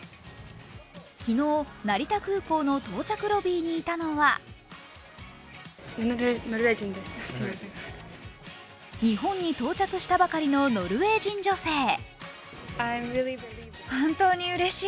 昨日、成田空港の到着ロビーにいたのは日本に到着したばかりのノルウェー人女性。